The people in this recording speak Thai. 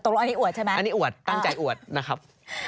อันนี้อวดใช่ไหมอันนี้อวดตั้งใจอวดนะครับ